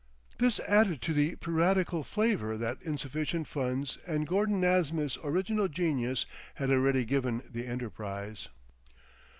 This added to the piratical flavour that insufficient funds and Gordon Nasmyth's original genius had already given the enterprise.